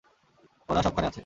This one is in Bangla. ওরা সবখানে আছে!